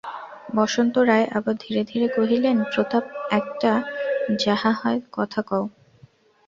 বসন্ত রায় আবার ধীরে ধীরে কহিলেন, প্রতাপ, একটা যাহা হয় কথা কও।